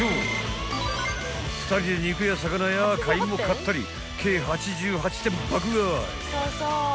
［２人で肉や魚や買いも買ったり計８８点爆買い］